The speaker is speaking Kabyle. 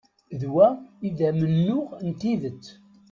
D wa i d amennuɣ n tidet.